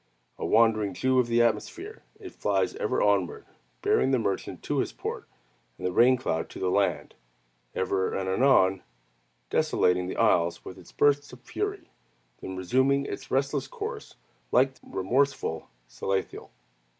A Wandering Jew of the atmosphere, it flies ever onward, bearing the merchant to his port, and the rain cloud to the land; ever and anon desolating the isles with its bursts of fury; then resuming its restless course, like the remorseful Salathiel.